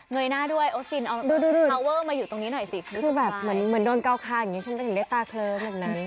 เงยหน้าด้วยเอามาอยู่ตรงนี้หน่อยสิคือแบบเหมือนเหมือนโดนเก้าคาอย่างงี้ฉันไม่ได้ได้ตาเคลือบแบบนั้น